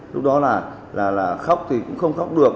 lúc đó là khóc thì cũng không khóc được